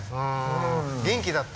元気だった？